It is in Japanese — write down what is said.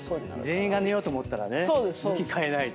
全員が寝ようと思ったらね向き変えないと。